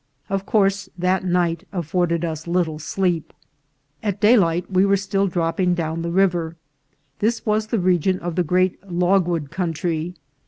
Of course that night afforded us little sleep. At daylight we were still dropping down the river. This was the region of the great logwood country.